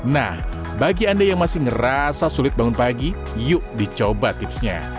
nah bagi anda yang masih ngerasa sulit bangun pagi yuk dicoba tipsnya